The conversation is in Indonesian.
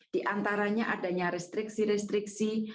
diantaranya adanya restriksi restriksi